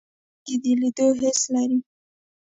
سترګې د لیدلو حس لري